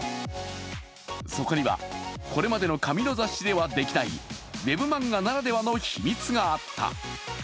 そこには、これまでの紙の雑誌ではできないウェブ漫画ならではの秘密があった。